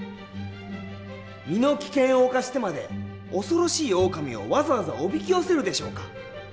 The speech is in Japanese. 身の危険を冒してまで恐ろしいオオカミをわざわざおびき寄せるでしょうか？